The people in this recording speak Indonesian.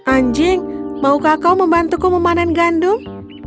anjing maukah kau membantuku memanen gandum